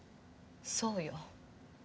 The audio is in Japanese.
そうよ。